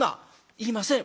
「言いません。